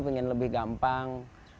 ingin lebih gampang